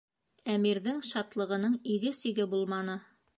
Әмирҙең шатлығының иге-сиге булманы.